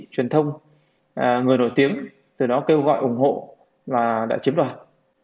truyền thông người nổi tiếng từ đó kêu gọi ủng hộ và đảo chính đạo